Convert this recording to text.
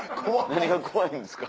何が怖いんすか？